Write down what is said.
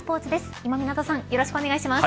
今湊さんよろしくお願いします。